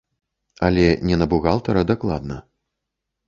Але не на бухгалтара дакладна.